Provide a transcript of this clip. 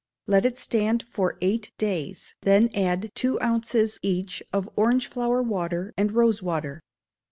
Let it stand for eight days, then add two ounces each of orange flower water and rose water.